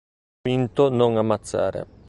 Quinto non ammazzare!